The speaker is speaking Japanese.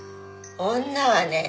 女はね